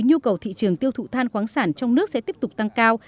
nhu cầu thị trường tiêu thụ than khoáng sản trong nước sẽ tiếp tục tăng cao